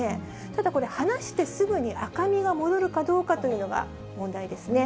ただこれ、はなしてすぐに赤みが戻るかどうかというのが問題ですね。